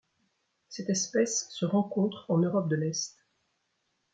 Cette espèce se rencontre en Europe de l'Est.